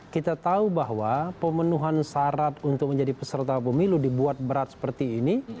kita tahu bahwa pemenuhan syarat untuk menjadi peserta pemilu dibuat berat seperti ini